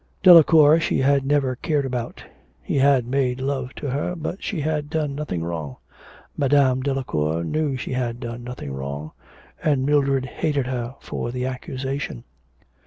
Delacour she had never cared about. He had made love to her, but she had done nothing wrong. Madame Delacour knew that she had done nothing wrong, and Mildred hated her for the accusation.